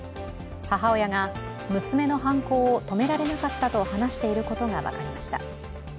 母親が、娘の犯行を止められなかったと話していることが分かりました。